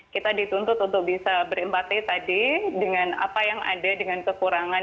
kita dituntut untuk bisa berempati tadi dengan apa yang ada dengan kekurangan